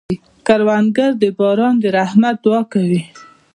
کروندګر د باران د رحمت دعا کوي